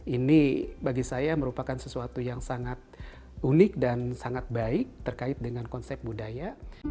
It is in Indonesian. ini bagi saya merupakan sesuatu yang sangat unik dan sangat baik terkait dengan konsep budaya